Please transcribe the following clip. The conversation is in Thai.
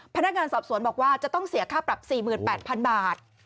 พนักงานสอบสวนบอกว่าจะต้องเสียค่าปรับสี่หมื่นแปดพันบาท